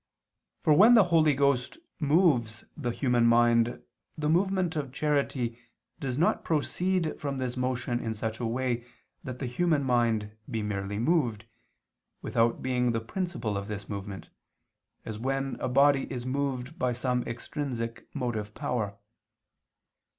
For when the Holy Ghost moves the human mind the movement of charity does not proceed from this motion in such a way that the human mind be merely moved, without being the principle of this movement, as when a body is moved by some extrinsic motive power.